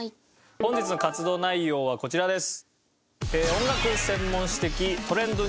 本日の活動内容はこちらです。